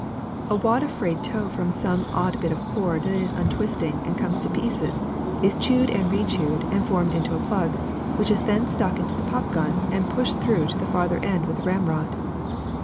A wad of frayed tow from some old bit of cord that is untwisting and coming to pieces is chewed and rechewed and formed into a plug, which is then stuck into the pop gun and pushed through to the farther end with the ramrod.